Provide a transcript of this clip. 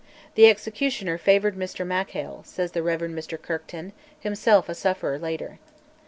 "The executioner favoured Mr Mackail," says the Rev. Mr Kirkton, himself a sufferer later.